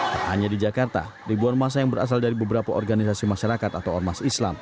tak hanya di jakarta ribuan masa yang berasal dari beberapa organisasi masyarakat atau ormas islam